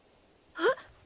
えっ？